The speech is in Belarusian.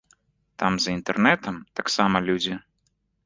Там за інтэрнэтам таксама людзі!